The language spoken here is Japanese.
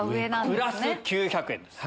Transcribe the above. プラス９００円です。